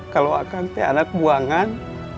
kalau akang anak buangan